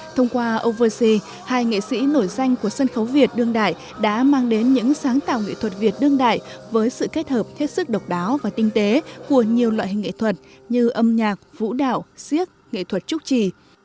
thông qua oversea hai nghệ sĩ nổi danh của sân khấu việt đương đại đã mang đến những sáng tạo nghệ thuật việt đương đại với sự kết hợp thiết sức độc đáo và tinh tế của nhiều loại hình nghệ thuật như âm nhạc vũ đạo siếc nghệ thuật trúc trì